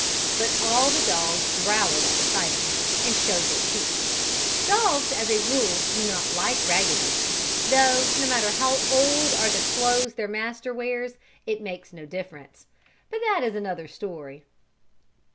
But all the dogs growled at the sight of him, and showed their teeth. Dogs, as a rule, do not like ragged men; though no matter how old are the clothes their master wears, it makes no difference. But that is another story.